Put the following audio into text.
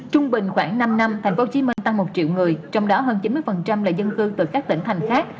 trung bình khoảng năm năm tp hcm tăng một triệu người trong đó hơn chín mươi là dân cư từ các tỉnh thành khác